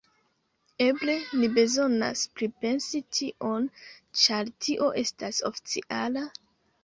Eble ni bezonas pripensi tion, ĉar tio estas oficiala...